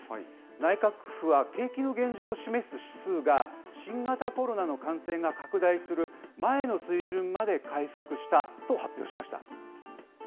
内閣府は景気の現状を示す指数が、新型コロナの感染が拡大する前の水準まで回復したと発表しました。